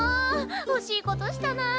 おしいことしたな。